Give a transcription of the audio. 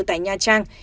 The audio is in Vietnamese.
tại nha trang